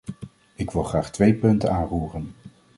Ik wil graag twee punten aanroeren.